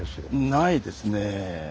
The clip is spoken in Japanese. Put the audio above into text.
ないですねぇ。